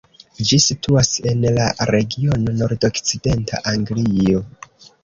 Ĝi situas en la regiono nordokcidenta Anglio.